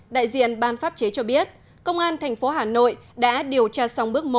đại diện ban pháp chế cho biết công an tp hà nội đã điều tra xong bước một